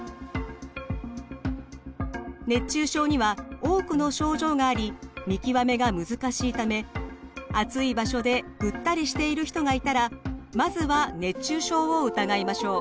熱中症には多くの症状があり見極めが難しいため暑い場所でぐったりしている人がいたらまずは熱中症を疑いましょう。